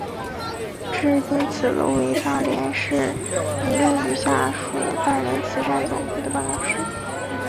现今此楼为大连市民政局下属大连慈善总会的办公楼。